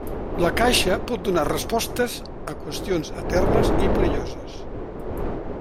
La caixa pot donar respostes a qüestions eternes i perilloses.